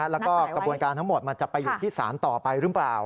แล้วก็กระบวนการทั้งหมดมันจะไปอยู่ที่ศาลต่อไปหรือเปล่า